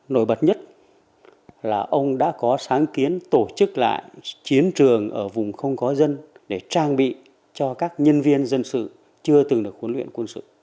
nổi bật nhất là ông đã có sáng kiến tổ chức lại chiến trường ở vùng không có dân để trang bị cho các nhân viên dân sự chưa từng được huấn luyện quân sự